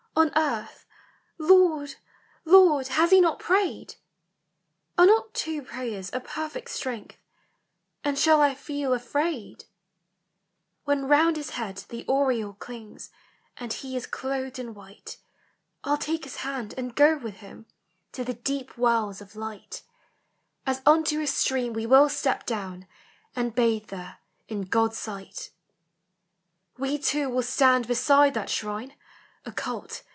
— on earth, Lord, Lord, has he not prayed ? Are not two prayers a perfect strength? And shall I feel afraid ?" When round his head the aureole clings, And he is clothed in white, POEMS OF FANCY. 1*11 take his hand and go with him To the deep wells of light : As unto a stream we will step down, And bathe there in GH L'fi ght « We two will stand beside that shrine, I I ult.